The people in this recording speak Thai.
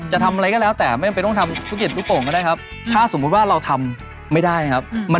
เหมาะกับคุณแม่ดี